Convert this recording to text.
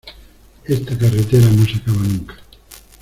Esta carretera no se acaba nunca.